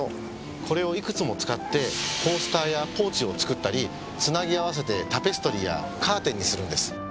これをいくつも使ってコースターやポーチを作ったり繋ぎ合わせてタペストリーやカーテンにするんです。